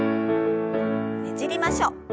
ねじりましょう。